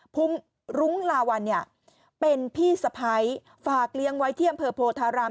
พุ่มรุ้งลาวัลเป็นพี่สะพัยฝากเลี้ยงไว้เที่ยงเพอโพธาราม